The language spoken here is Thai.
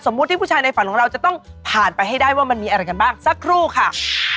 ที่ผู้ชายในฝันของเราจะต้องผ่านไปให้ได้ว่ามันมีอะไรกันบ้างสักครู่ค่ะ